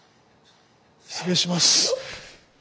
失礼します。